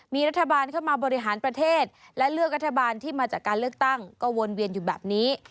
มีรัฐบาลเข้ามาบริหารประเทศและเลือกรัฐบาลที่มาจากการเลือกตั้งก็วนเวียนอยู่แบบนี้